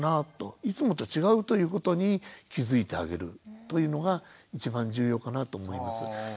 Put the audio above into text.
いつもと違うということに気付いてあげるというのが一番重要かなと思います。